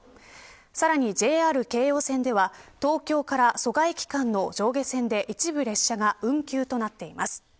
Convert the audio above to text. さらに、ＪＲ京葉線では東京から蘇我駅間の上下線で一部列車が運休となっています。